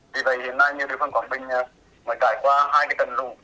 vì vậy hiện nay như địa phương quảng bình mới cải qua hai cái tầng lù